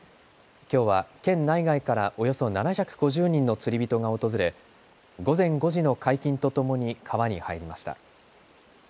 きょうは県内外からおよそ７５０人の釣り人が訪れ午前５時の解禁とともに川に入りました。